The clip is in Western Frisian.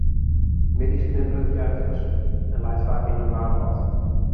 Middeis knipperet hja efkes en leit faak yn in waarm bad.